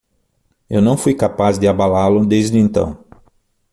Eu não fui capaz de abalá-lo desde então.